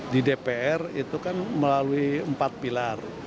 di dpr itu kan melalui empat pilar